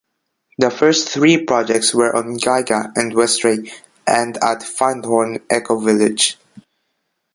The first three projects were on Gigha and Westray and at Findhorn Ecovillage.